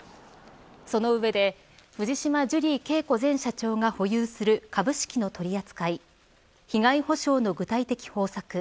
その上で藤島ジュリー景子前社長が保有する株式の取り扱い被害補償の具体的方策